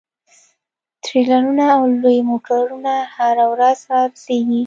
ټریلرونه او لوی موټرونه هره ورځ رارسیږي